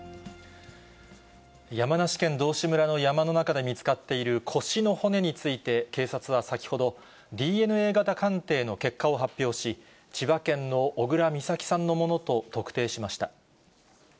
山梨県道志村の山の中で見つかっている腰の骨について、警察は先ほど、ＤＮＡ型鑑定の結果を発表し、千葉県の小倉美咲さんのものと特定しました。